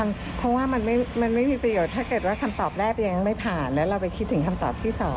ถ้าเกิดว่าคำตอบแรกยังไม่ผ่าน